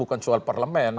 bukan soal parlemen